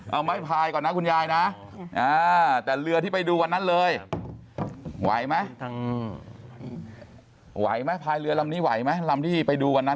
เอาไม้พายก่อนนะคุณยายนะแต่เรือที่ไปดูวันนั้นเลยไหวไหมไหวไหมพายเรือลำนี้ไหวไหมลำที่ไปดูวันนั้น